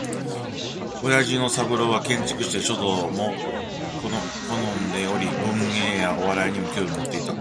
父親の三郎は建築士で、書道も嗜んでおり文学やお笑いにも興味を持っていた